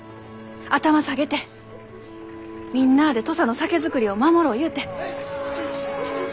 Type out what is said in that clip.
頭下げてみんなあで土佐の酒造りを守ろうゆうて。